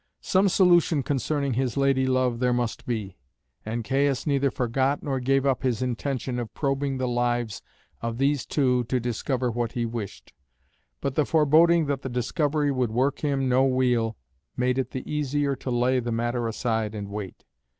Some solution concerning his lady love there must be, and Caius neither forgot nor gave up his intention of probing the lives of these two to discover what he wished; but the foreboding that the discovery would work him no weal made it the easier to lay the matter aside and wait.